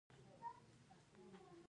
نباتات د ځمکې پر مخ پوښښ کوي